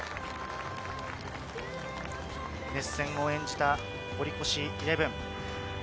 熱戦を演じた堀越イレブン。